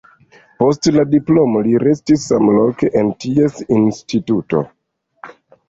Post la diplomo li restis samloke en ties instituto.